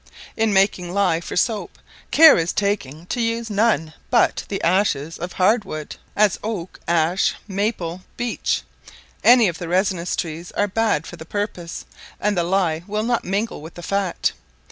In making ley for soap, care is taken to use none but the ashes of hard wood, as oak, ash, maple, beech; any of the resinous trees are bad for the purpose, and the ley will not mingle with the fat.